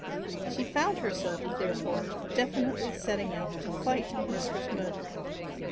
She found herself, therefore, definitely setting out to fight Mistress Mowbray.